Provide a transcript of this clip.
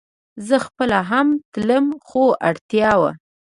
زه خپله هم تلم خو اړتيا وه